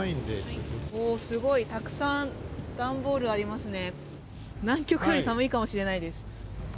たくさん段ボールがありますね。